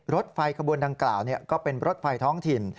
รถไฟขบวนดังกล่าวก็เป็นรถไฟท้องถิ่น